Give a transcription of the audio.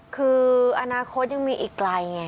คืออนาคตยังมีอีกไกลไง